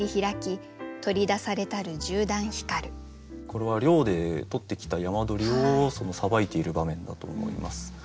これは猟で取ってきたやまどりをさばいている場面だと思います。